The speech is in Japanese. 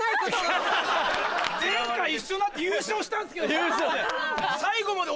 前回一緒になって優勝したんですけど最後まで。